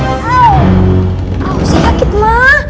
aduh sakit mah